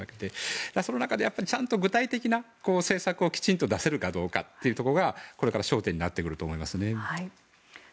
その中で、ちゃんと具体的な政策をきちんと出せるかどうかが焦点になってくると思います。